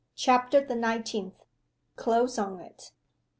CHAPTER THE NINETEENTH. CLOSE ON IT.